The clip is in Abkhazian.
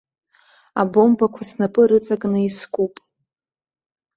Абомбақәа снапы рыҵакны искуп.